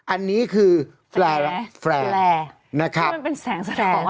อันนี้คือฟแรร์นะครับเผื่อมันเป็นแสงสะท้อน